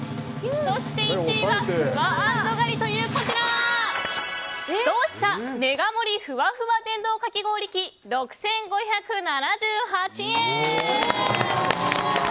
そして１位はふわ＆ガリというこちらドウシシャメガ盛りふわふわ電動かき氷器６５７８円。